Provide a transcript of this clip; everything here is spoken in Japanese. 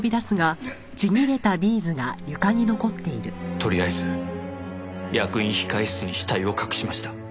とりあえず役員控室に死体を隠しました。